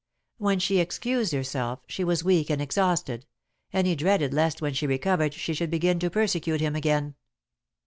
When she excused herself, she was weak and exhausted, and he dreaded lest when she recovered she should begin to persecute him again.